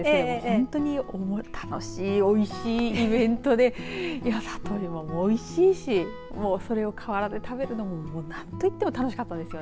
本当に楽しいおいしいイベントで里芋もおいしいしそれを河原で食べるのもなんといっても楽しかったです。